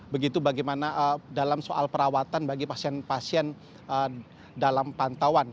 begitu bagaimana dalam soal perawatan bagi pasien pasien dalam pantauan